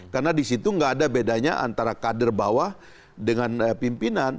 karena di situ tidak ada bedanya antara kader bawah dengan pimpinan